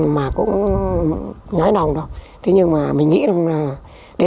mà cũng không có những cái lúc mà cũng không có những cái lúc mà cũng không có những cái lúc